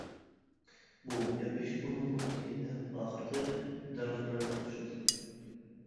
بۇ ياپيېشىل ئورمانلىقتىكى، ئەڭ ئاخىرقى دەرەخمەن قاقشال.